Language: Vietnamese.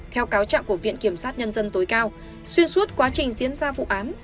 theo cáo trạng của viện kiểm sát nhân dân tối cao xuyên suốt quá trình diễn ra vụ án